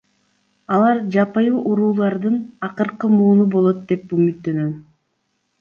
Алар жапайы уруулардын акыркы мууну болот деп үмүттөнөм.